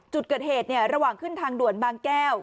จุดเกิดเหตุระหว่างขึ้นทางด่วนบางแก้ว